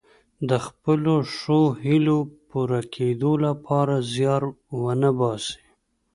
د خپلو ښو هیلو پوره کیدو لپاره زیار ونه باسي.